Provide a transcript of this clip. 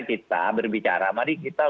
kita berbicara mari kita